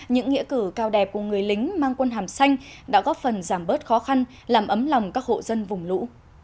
những nghĩa cử cao đẹp của người lính mang quân hàm xanh đã góp phần giảm bớt khó khăn làm ấm lòng các hộ dân vùng lũ